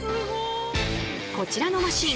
こちらのマシン